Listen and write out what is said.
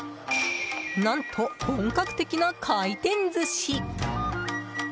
何と、本格的な回転寿司。